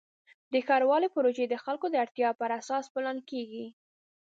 د ښاروالۍ پروژې د خلکو د اړتیاوو پر اساس پلان کېږي.